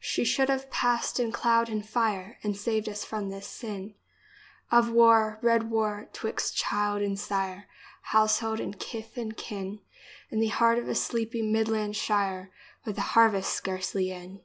She should have passed in cloud and fire And saved us from this sin Of war — red Avar — 'twixt child and sire, Household and kith and kin, In the heart of a sleepy Midland shire, With the harvest scarcely in.